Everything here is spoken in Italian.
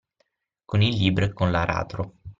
Con il libro e con l'aratro